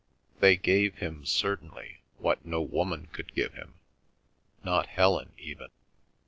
They gave him, certainly, what no woman could give him, not Helen even.